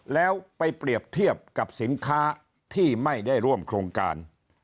แล้วไปเปรียบเทียบกับสินค้าที่ไม่ได้ร่วมโครงการ